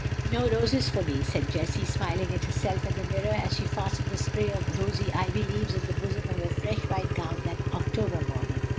"No roses for me," said Jessie, smiling at herself in the mirror as she fastened a spray of rosy ivy leaves in the bosom of her fresh white gown that October morning.